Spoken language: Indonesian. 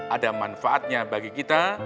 ada manfaatnya bagi kita